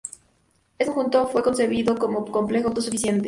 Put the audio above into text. El conjunto fue concebido como complejo autosuficiente.